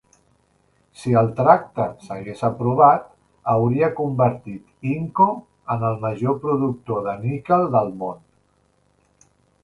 Si el tracte s'hagués aprovat, hauria convertit Inco en el major productor de níquel del món.